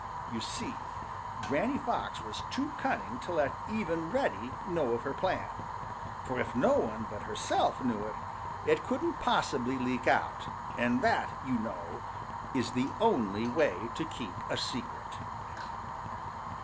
You see, Granny Fox was too cunning to let even Reddy know of her plan, for if no one but herself knew it, it couldn't possibly leak out, and that, you know, is the only way to keep a secret.